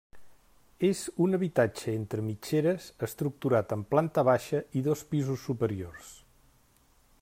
És un habitatge entre mitgeres estructurat en planta baixa i dos pisos superiors.